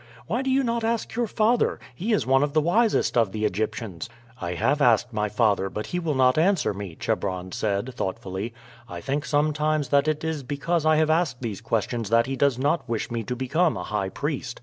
Why do you not ask your father. He is one of the wisest of the Egyptians." "I have asked my father, but he will not answer me," Chebron said thoughtfully. "I think sometimes that it is because I have asked these questions that he does not wish me to become a high priest.